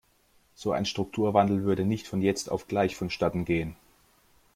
So ein Strukturwandel würde nicht von jetzt auf gleich vonstatten gehen.